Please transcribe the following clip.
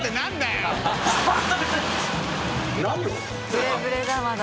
ブレブレだまだ。